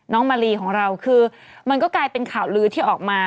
มาลีของเราคือมันก็กลายเป็นข่าวลือที่ออกมา